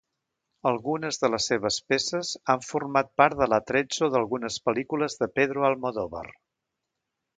Algunes de les seves peces han format part de l'attrezzo d'algunes pel·lícules de Pedro Almodóvar.